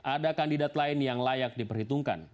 ada kandidat lain yang layak diperhitungkan